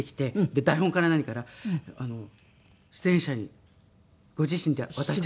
台本から何から出演者にご自身で渡してくださるんですよ。